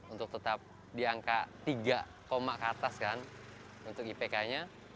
untuk tetap di angka tiga ke atas kan untuk ipk nya